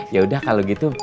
yaudah kalau gitu